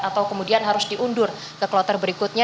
atau kemudian harus diundur ke kloter berikutnya